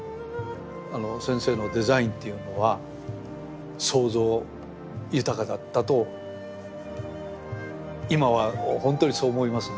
先生のデザインっていうのは想像豊かだったと今はほんとにそう思いますね。